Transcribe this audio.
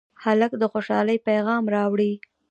هلک د خوشالۍ پېغام راوړي.